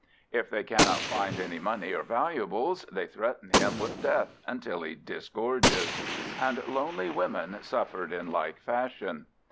If they cannot find any money or valuables, they threaten him with death until he disgorges. And lonely women suffered in like fashion.